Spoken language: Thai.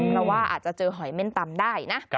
เพราะว่าอาจจะเจอหอยเม่นตำได้นะ